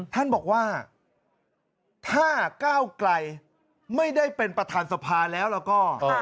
ท่านบอกว่าถ้าก้าวไกลไม่ได้เป็นประธานสภาแล้วแล้วก็